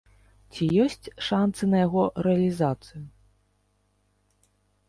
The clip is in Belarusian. Ці ёсць шанцы на яго рэалізацыю?